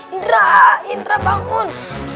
indra indra bangun